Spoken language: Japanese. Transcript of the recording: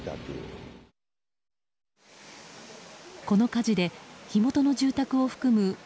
この火事で火元の住宅を含む